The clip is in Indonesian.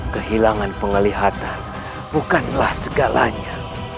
kehilangan pengelihatan bukanlah segalanya